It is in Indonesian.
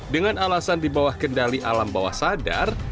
dengan alasan di bawah kendali alam bawah sadar